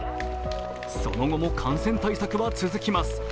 その後も感染対策は続きます。